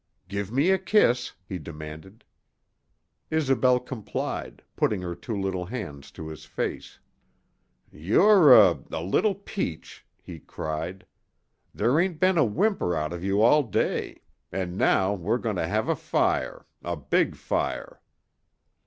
"Give me a kiss," he demanded. Isobel complied, putting her two little hands to his face. "You're a a little peach," he cried. "There ain't been a whimper out of you all day. And now we're going to have a fire a big fire."